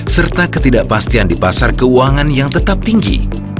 serta ketidakpastian di pasar keuangan yang tetap tinggi